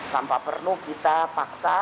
tanpa perlu kita paksa